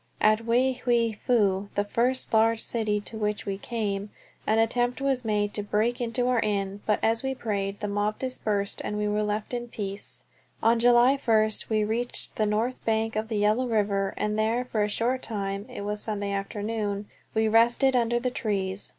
At Wei Hwei Fu, the first large city to which we came, an attempt was made to break into our inn, but as we prayed the mob dispersed and we were left in peace. On July first we reached the north bank of the Yellow River, and there for a short time (it was Sunday afternoon) we rested under the trees.